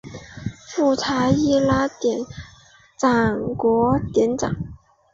富查伊拉酋长国酋长